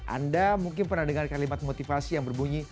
anda mungkin pernah dengar kalimat motivasi yang berbunyi